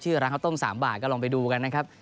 ร้านข้าวต้ม๓บาทก็ลองไปดูกันนะครับ